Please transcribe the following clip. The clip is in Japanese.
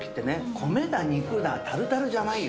米だ肉だタルタルじゃないよ